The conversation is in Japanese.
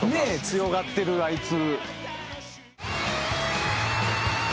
強がってるあいつ。